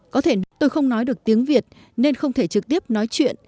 có thể tôi không nói được tiếng việt nên không thể trực tiếp nói chuyện